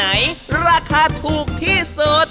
อาหารการกิน